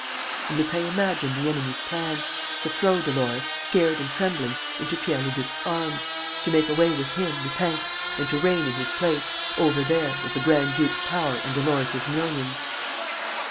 And Lupin imagined the enemy's plan: to throw Dolores, scared and trembling, into Pierre Leduc's arms, to make away with him, Lupin, and to reign in his place, over there, with the grand duke's power and Dolores's millions.